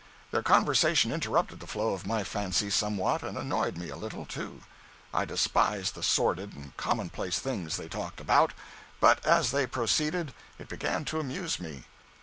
Their conversation interrupted the flow of my fancy somewhat, and annoyed me a little, too. I despised the sordid and commonplace things they talked about. But as they proceeded, it began to amuse me.